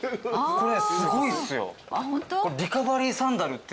これすごいっすよ。